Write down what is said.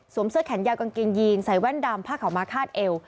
เสื้อแขนยาวกางเกงยีนใส่แว่นดำผ้าขาวม้าคาดเอว